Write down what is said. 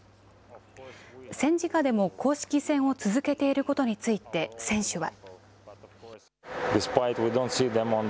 戦時下でも公式戦を続けていることについて選手は。